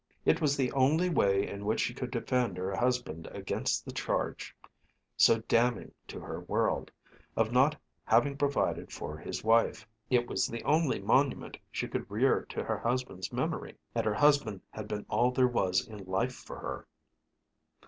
It was the only way in which she could defend her husband against the charge, so damning to her world, of not having provided for his wife. It was the only monument she could rear to her husband's memory. And her husband had been all there was in life for her!